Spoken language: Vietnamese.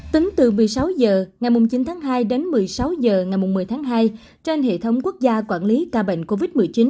tính từ một mươi sáu h ngày chín tháng hai đến một mươi sáu h ngày một mươi tháng hai trên hệ thống quốc gia quản lý ca bệnh covid một mươi chín